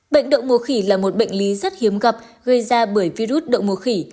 bệnh đậu mùa khỉ là một bệnh lý rất hiếm gặp gây ra bởi virus động mùa khỉ